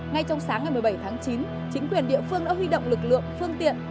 ngay trong sáng ngày một mươi bảy tháng chín chính quyền địa phương đã huy động lực lượng phương tiện